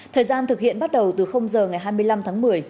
thời gian thực hiện bắt đầu từ giờ ngày hai mươi năm tháng một mươi